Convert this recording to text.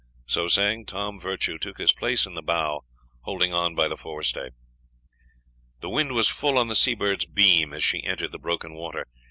So saying, Tom Virtue took his place in the bow, holding on by the forestay. The wind was full on the Seabird's beam as she entered the broken water.